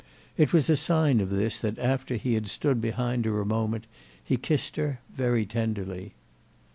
It was a sign of this that after he had stood behind her a moment he kissed her very tenderly.